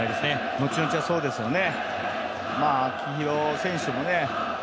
後々はそうですよね。